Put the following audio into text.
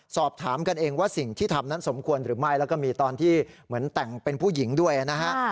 สอบถามกันเองว่าสิ่งที่ทำนั้นสมควรหรือไม่แล้วก็มีตอนที่เหมือนแต่งเป็นผู้หญิงด้วยนะฮะ